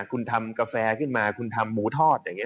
คุณทำกาแฟขึ้นมาคุณทำหมูทอด